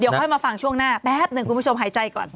ค่อยมาฟังช่วงหน้าแป๊บหนึ่งคุณผู้ชมหายใจก่อน